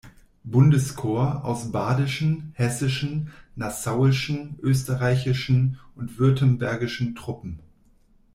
Bundeskorps aus badischen, hessischen, nassauischen, österreichischen und württembergischen Truppen.